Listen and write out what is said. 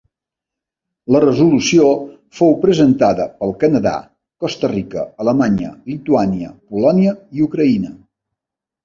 La resolució fou presentada pel Canadà, Costa Rica, Alemanya, Lituània, Polònia i Ucraïna.